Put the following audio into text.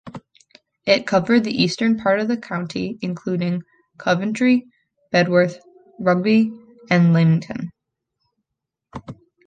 It covered the eastern part of the county, including Coventry, Bedworth, Rugby, and Leamington.